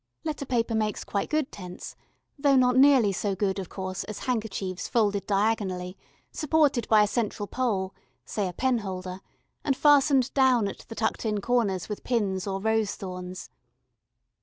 Letter paper makes quite good tents, though not nearly so good, of course, as handkerchiefs folded diagonally supported by a central pole, say a penholder, and fastened down at the tucked in corners with pins or rose thorns.